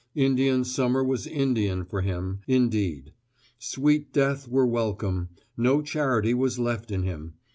Indian Summer was Indian for him, indeed: sweet death were welcome; no charity was left in him.